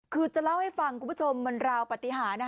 คือจะเล่าให้ฟังคุณผู้ชมมันราวปฏิหาร